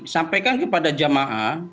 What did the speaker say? sampaikan kepada jamaah